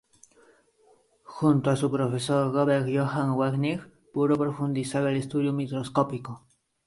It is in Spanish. Junto a su profesor Robert Johann Wernicke, pudo profundizar el estudio microscópico.